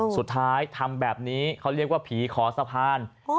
ทำแบบนี้เขาเรียกว่าผีขอสะพาน